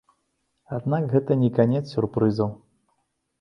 Аднак гэта не канец сюрпрызаў.